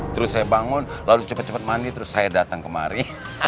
terus saya bangun lalu cepat cepat mandi terus saya datang kemari